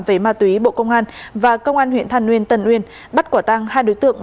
về ma túy bộ công an và công an huyện than uyên tân uyên bắt quả tăng hai đối tượng